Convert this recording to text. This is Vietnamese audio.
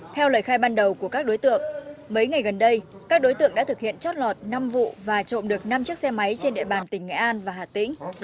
theo lời khai ban đầu của các đối tượng mấy ngày gần đây các đối tượng đã thực hiện chót lọt năm vụ và trộm được năm chiếc xe máy trên địa bàn tỉnh nghệ an và hà tĩnh